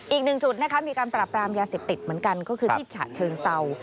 อีกหนึ่งจุดนะคะมีการปรับรามยาเสพติดเหมือนกันก็คือที่ฉะเชิงเศร้า